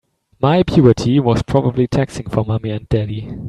My puberty was probably taxing for mommy and daddy.